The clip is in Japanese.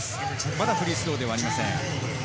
まだフリースローではありません。